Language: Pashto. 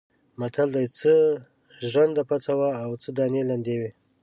متل دی: څه ژرنده پڅه وه او څه دانې لندې وې.